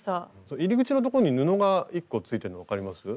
入り口のとこに布が１個ついてるの分かります？